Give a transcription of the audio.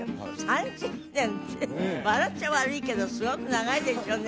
３０年って笑っちゃ悪いけどすごく長いですよね